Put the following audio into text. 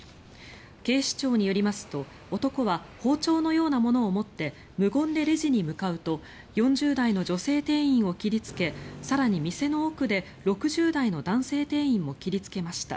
警視庁によりますと男は包丁のようなものを持って無言でレジに向かうと４０代の女性店員を切りつけ更に店の奥で６０代の男性店員も切りつけました。